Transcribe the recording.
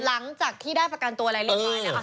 หลังจากที่ได้ประกันตัวอะไรเรียบร้อยแล้ว